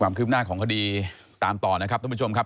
ความคืบหน้าของคดีตามต่อนะครับท่านผู้ชมครับ